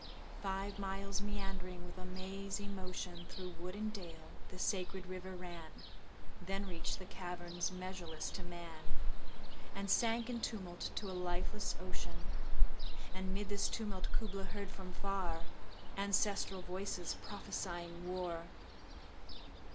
Five miles meandering with a mazy motion 25 Through wood and dale the sacred river ran, Then reach'd the caverns measureless to man, And sank in tumult to a lifeless ocean: And 'mid this tumult Kubla heard from far Ancestral voices prophesying war!